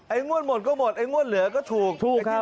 ไอ้งวดหมดก็หมดไอ้งวดเหลือก็ถูก